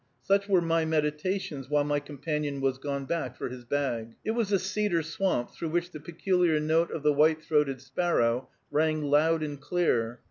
Such were my meditations while my companion was gone back for his bag. It was a cedar swamp, through which the peculiar note of the white throated sparrow rang loud and clear.